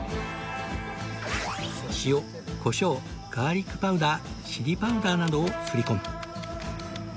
塩コショウガーリックパウダーチリパウダーなどをすり込む